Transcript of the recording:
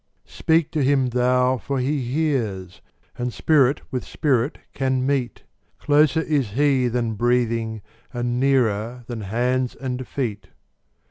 Speak to Him thou for He hears, and Spirit with Spirit can meet—Closer is He than breathing, and nearer than hands and feet.